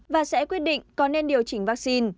và sẽ quyết định có nên điều chỉnh vaccine